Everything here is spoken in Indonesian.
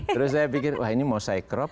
terus saya pikir wah ini mau saya crop